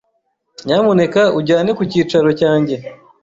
Nyamuneka unjyane ku cyicaro cyanjye.